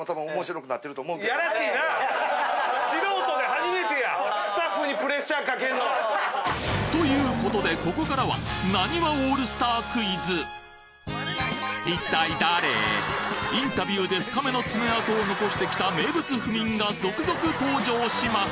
やらしいな。ということでここからはインタビューで深めの爪痕を残してきた名物フミンが続々登場します